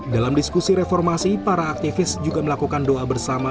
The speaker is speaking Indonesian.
dalam diskusi reformasi para aktivis juga melakukan doa bersama